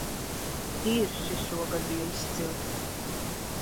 Ķirši šogad bija izcili